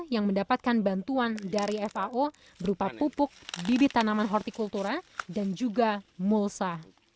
yang mendapatkan bantuan dari fao berupa pupuk bibit tanaman hortikultura dan juga mulsa